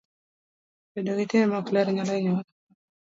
Bedo gi timbe maok ler nyalo hinyowa.